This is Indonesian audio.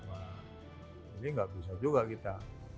ini nggak bisa juga kita